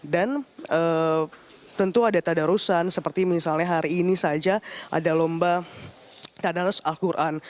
dan tentu ada tadarusan seperti misalnya hari ini saja ada lomba tadarus al qur'an